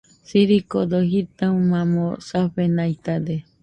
Sirikodo jitomamo safenaitade.